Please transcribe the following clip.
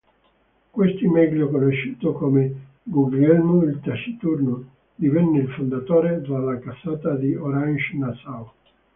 Questi, meglio conosciuto come Guglielmo "il Taciturno", divenne il fondatore della Casata di Orange-Nassau.